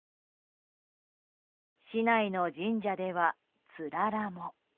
市内の神社では、つららも。